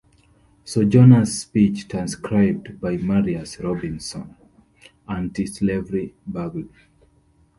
Sojourner's Speech, Transcribed by Marius Robinson; Anti-slavery bugle.